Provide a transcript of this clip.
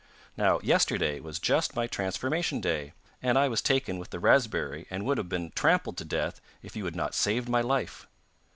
Now yesterday was just my transformation day, and I was taken with the raspberry and would have been trampled to death if you had not saved my life.